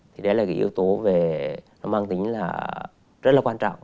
thì đấy là cái yếu tố về nó mang tính là rất là quan trọng